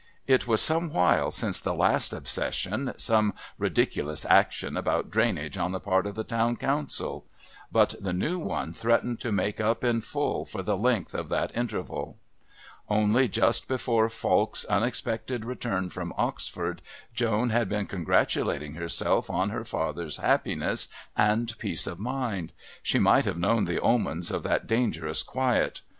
It was some while since the last obsession, some ridiculous action about drainage on the part of the Town Council. But the new one threatened to make up in full for the length of that interval. Only just before Falk's unexpected return from Oxford Joan had been congratulating herself on her father's happiness and peace of mind. She might have known the omens of that dangerous quiet.